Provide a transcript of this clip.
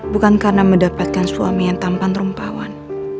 bukan karena mendapatkan suami yang tampan rempahwan